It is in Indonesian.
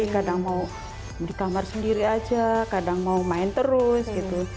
kadang mau di kamar sendiri aja kadang mau main terus gitu